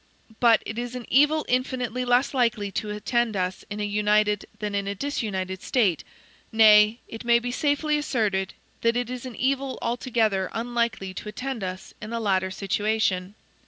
But it is an evil infinitely less likely to attend us in a united than in a disunited state; nay, it may be safely asserted that it is an evil altogether unlikely to attend us in the latter situation.